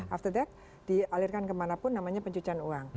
after that dialirkan kemana pun namanya pencucian uang